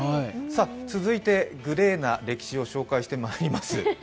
続いてはグレーな歴史を紹介してまいります。